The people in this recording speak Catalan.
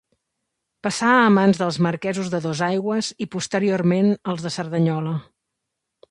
Passà a mans dels marquesos de Dosaigües i, posteriorment als de Cerdanyola.